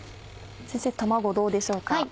先生卵どうでしょうか？